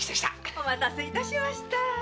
お待たせいたしました。